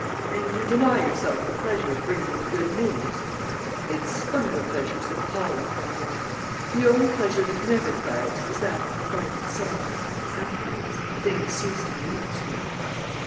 "And you deny yourself the pleasure of bringing the good news?" "It's one of the pleasures that pall upon one. The only pleasure that never flags is that of the fight itself. Afterwards, things cease to be interesting."